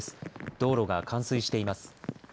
道路が冠水しています。